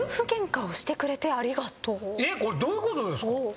えっこれどういうことですか？